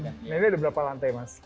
nah ini ada berapa lantai mas